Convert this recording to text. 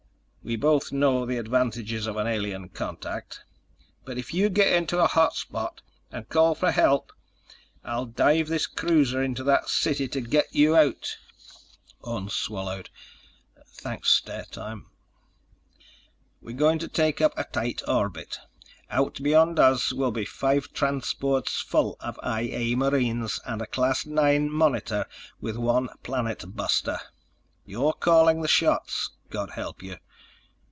We both know the advantages of an alien contact. But if you get into a hot spot, and call for help, I'll dive this cruiser into that city to get you out!" Orne swallowed. "Thanks, Stet. I'm—" "We're going to take up a tight orbit. Out beyond us will be five transports full of I A marines and a Class IX Monitor with one planet buster. You're calling the shots, God help you!